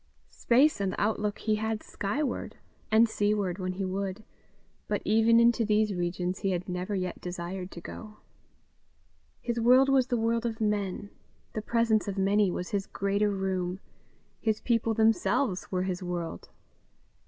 Space and outlook he had skyward and seaward when he would, but even into these regions he had never yet desired to go. His world was the world of men; the presence of many was his greater room; his people themselves were his world.